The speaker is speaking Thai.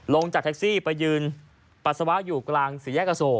ลงจากแท็กซี่ไปยืนปัสสาวะอยู่กลางสี่แยกอโศ